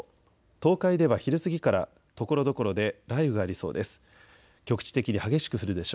東海では昼過ぎからところどころで雷雨がありそうです。